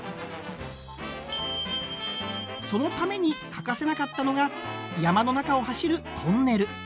そのために欠かせなかったのが山の中を走るトンネル。